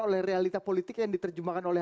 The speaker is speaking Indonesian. oleh realita politik yang diterjemahkan oleh